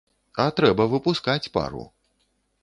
А трэба выпускаць пару.